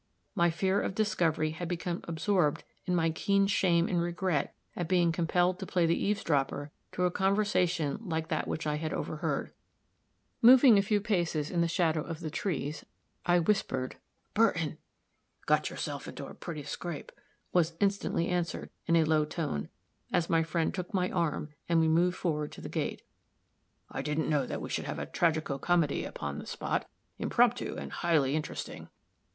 My fear of discovery had become absorbed in my keen shame and regret at being compelled to play the eavesdropper to a conversation like that which I had overheard. Moving a few paces in the shadow of the trees, I whispered "Burton." "Got yourself into a pretty scrape," was instantly answered, in a low tone, as my friend took my arm and we moved forward to the gate. "I didn't know but we should have a tragico comedy upon the spot, impromptu and highly interesting."